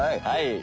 はい。